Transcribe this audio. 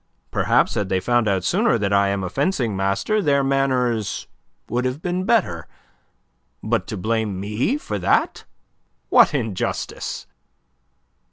Perhaps had they found out sooner that I am a fencing master their manners would have been better. But to blame me for that! What injustice!"